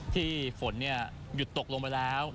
ที่ฝนหยุดตกลงไปแล้ว